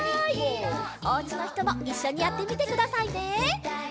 おうちのひともいっしょにやってみてくださいね！